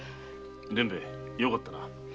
伝兵衛よかったな。